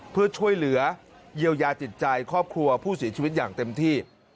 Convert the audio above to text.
เพื่อช่วยเหลือเยียวยาจิตใจครอบครัวผู้เสียชีวิตอย่างเต็มที่